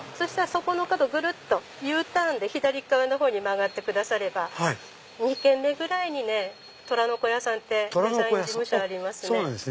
そこの角ぐるっとＵターンで左側に曲がってくだされば２軒目ぐらいに虎の子屋さんってデザイン事務所ありますね。